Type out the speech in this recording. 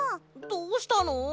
どうしたの？